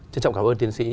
trân trọng cảm ơn tiến sĩ